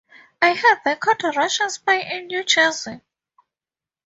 I heard they caught a Russian spy in New Jersey.